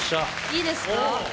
いいですか？